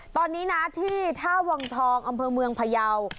ตอนนี้นะที่ท่าวังทองอำเภอเมืองพยาว